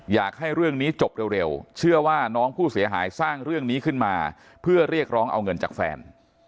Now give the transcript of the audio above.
อยากให้เรื่องนี้จบเร็วเชื่อว่าน้องผู้เสียหายสร้างเรื่องนี้ขึ้นมาเพื่อเรียกร้องเอาเงินจากแฟน